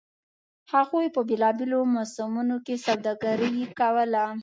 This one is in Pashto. هغوی په بېلابېلو موسمونو کې سوداګري کوله.